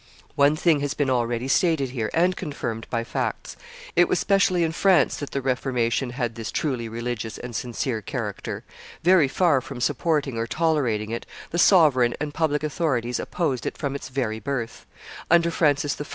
One thing has been already here stated and confirmed by facts; it was specially in France that the Reformation had this truly religious and sincere character; very far from supporting or tolerating it, the sovereign and public authorities opposed it from its very birth; under Francis I.